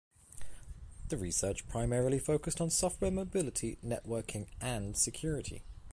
The research primarily focused on software mobility, networking and security.